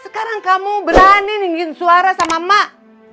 sekarang kamu berani ninggin suara sama emak